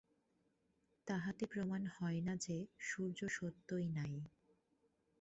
তাহাতে প্রমাণ হয় না যে, সূর্য সত্যই নাই।